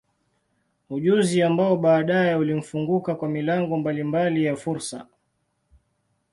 Ujuzi ambao baadaye ulimfunguka kwa milango mbalimbali ya fursa.